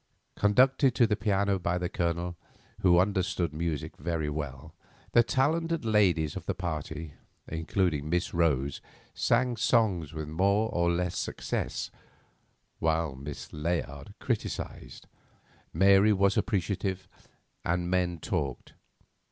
Conducted to the piano by the Colonel, who understood music very well, the talented ladies of the party, including Miss Rose, sang songs with more or less success, while Miss Layard criticised, Mary was appreciative, and the men talked.